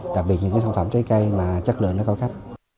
đặc biệt những cái sản phẩm trái cây mà chất lượng nó cao cấp